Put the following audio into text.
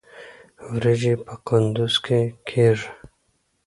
وریجې په کندز کې کیږي